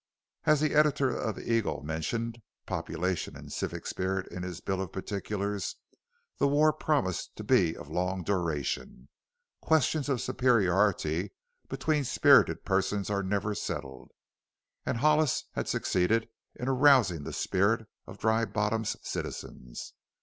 As the editor of the Eagle mentioned population and civic spirit in his bill of particulars the war promised to be of long duration questions of superiority between spirited persons are never settled. And Hollis had succeeded in arousing the spirit of Dry Bottom's citizens.